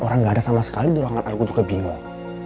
orang nggak ada sama sekali di ruangan aku juga bingung